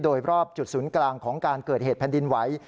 โดยรอบจุดศูนย์กลางของการเกิดเหตุแผ่นดินไหว